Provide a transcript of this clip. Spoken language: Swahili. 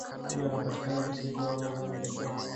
Huyu anapatikana msitu wa amazon pekee